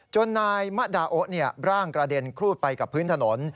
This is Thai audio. นายมะดาโอร่างกระเด็นครูดไปกับพื้นถนน